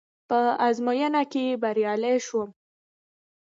په ازموينه کې بريالی شوم.